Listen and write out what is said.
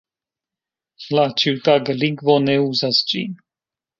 La ĉiutaga lingvo ne uzas ĝin.